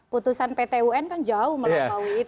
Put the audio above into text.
putusan pt un kan jauh melampaui itu